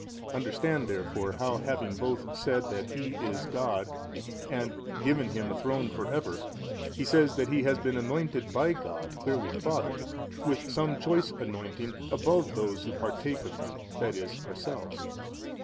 Understand therefore how having both said that Ho is God and given Him a Throne for ever, he says that He has been anointed by God, clearly the Father, with some choice anointing above those who partake of Him 10, i. e. ourselves.